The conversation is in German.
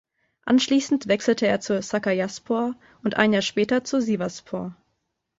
Anschließend wechselte er zu Sakaryaspor und ein Jahr später zu Sivasspor.